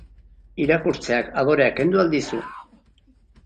Irakurtzeak adorea kendu al dizu?